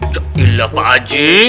ya ilah pak haji